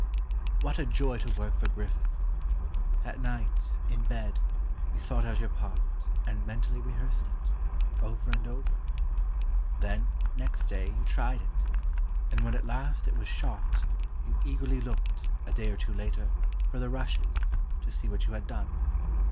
What a joy to work for Griffith! At night, in bed, you thought out your part, and mentally rehearsed it—over and over. Then, next day, you tried it, and when at last it was "shot," you eagerly looked, a day or two later, for the "rushes," to see what you had done.